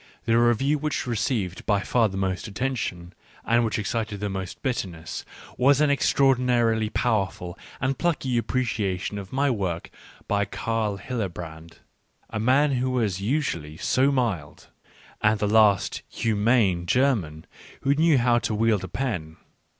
The review which received by far the, most attention, and which ex cited the most bitterness, was an extraordinarily powerful and plucky appreciation of my work by Carl Hillebrand, a man who was usually so mild, and the last humane German who knew how to wield a pen.